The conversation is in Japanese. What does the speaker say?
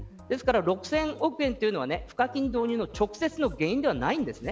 ですから６０００億円というのは賦課金導入の直接の原因ではないんです。